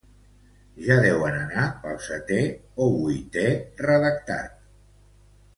Ja deuen anar pel setè o vuitè redactat.